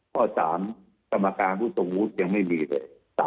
ข้อสามกรรมการผู้สมมุติยังไม่มีเลย